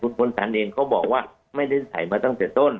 คุณพลสันเองเขาบอกว่าไม่ได้ใส่มาตั้งแต่ต้น